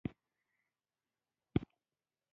تر هغه وړاندې چې د دغو اصولو جزياتو ته ورشو.